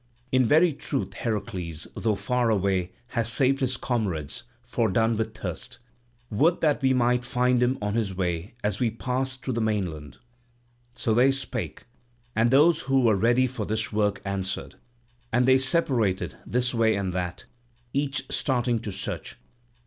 In very truth Heracles, though far away, has saved his comrades, fordone with thirst. Would that we might find him on his way as we pass through the mainland!" So they spake, and those who were ready for this work answered, and they separated this way and that, each starting to search.